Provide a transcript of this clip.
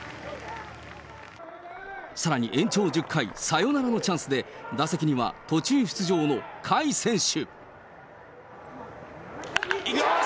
さらに延長１０回、サヨナラのチャンスで、打席には途中出場の甲斐選手。